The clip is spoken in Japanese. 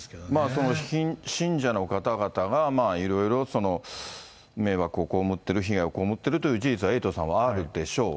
その信者の方々が、いろいろ迷惑をこうむっている、被害を被ってるっていう事実は、エイトさんはあるでしょう。